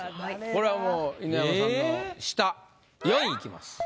これはもう犬山さんの下４位いきます。